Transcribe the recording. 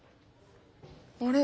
あれ？